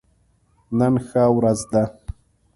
نن ښه ورځ ده